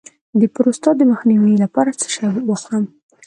د پروستات د سرطان مخنیوي لپاره څه شی وخورم؟